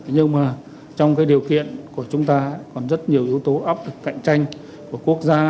nhưng mà trong cái điều kiện của chúng ta còn rất nhiều yếu tố áp lực cạnh tranh của quốc gia